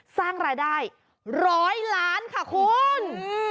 สร้างรายได้๑๐๐ล้านค่ะคุณ